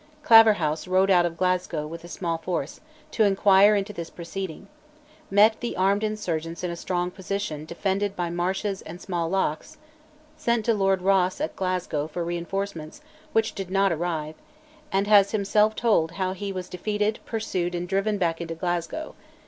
Claverhouse rode out of Glasgow with a small force, to inquire into this proceeding; met the armed insurgents in a strong position defended by marshes and small lochs; sent to Lord Ross at Glasgow for reinforcements which did not arrive; and has himself told how he was defeated, pursued, and driven back into Glasgow.